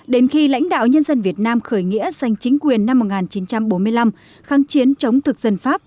đến khi lãnh đạo nhân dân việt nam khởi nghĩa giành chính quyền năm một nghìn chín trăm bốn mươi năm kháng chiến chống thực dân pháp